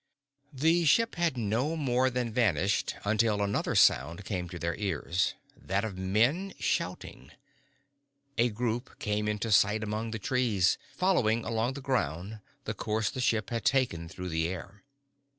The ship had no more than vanished until another sound came to their ears, that of men shouting. A group came into sight among the trees, following along the ground the course the ship had taken through the air.